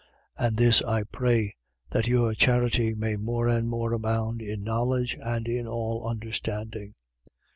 1:9. And this I pray: That your charity may more and more abound in knowledge and in all understanding: 1:10.